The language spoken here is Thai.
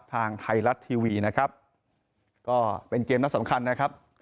ทางไทยรัฐทีวีนะครับก็เป็นเกมนัดสำคัญนะครับ